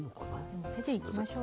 もう手でいきましょう。